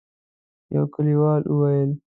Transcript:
يوه کليوال وويل: